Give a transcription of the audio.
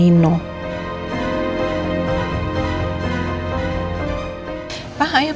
dia itu kan udah menggagalkan operasi matanya nino